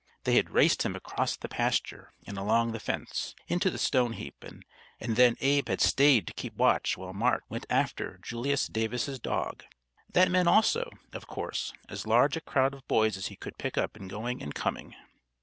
They had raced him across the pasture and along the fence, into the stone heap, and then Abe had staid to keep watch while Mart went after Julius Davis's dog. That meant also, of course, as large a crowd of boys as he could pick up in going and coming.